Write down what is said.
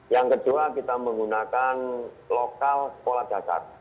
yang kedua kita menggunakan lokal sekolah dasar